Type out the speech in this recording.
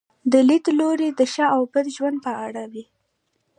دا لیدلوری د ښه او بد ژوند په اړه وي.